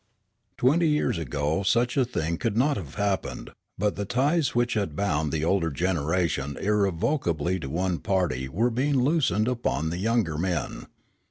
Twenty years ago such a thing could not have happened, but the ties which had bound the older generation irrevocably to one party were being loosed upon the younger men.